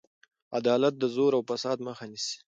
عدالت د زور او فساد مخه نیسي.